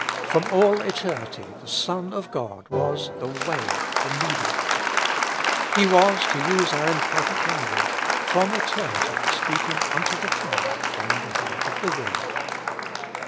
From all eternity the Son of God was the Way, the Mediator. He was, to use our imperfect language, from eternity speaking unto the Father on behalf of the world."